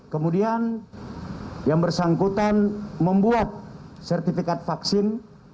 kemudian yang bersangkutan membuat sertifikat vaksin